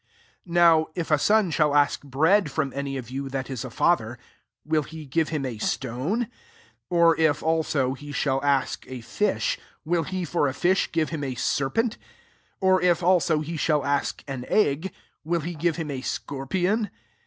11 "Now if a son shall ask bread from any of you that is a father, will lie give him a stone? on/also, Ar 9haa ask a fish, will he for a fish give him a ser pent? 12 or if also he shall ask an t^^f will he give him a scor pion